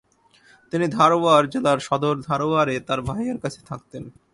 তিনি ধারওয়াড় জেলার সদর ধারওয়াড়ে তার ভাইয়ের কাছে থাকতেন।